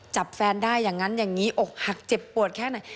จับแฟนได้อย่างนั้นอย่างนี้อกหักเจ็บปวดแค่ไหน